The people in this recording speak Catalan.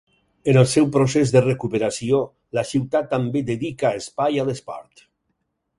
En el seu procés de recuperació, la ciutat també dedica espai a l'esport.